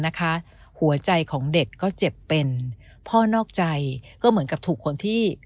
หัวใจของเด็กก็เจ็บเป็นพ่อนอกใจก็เหมือนกับถูกคนที่